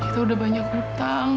kita udah banyak hutang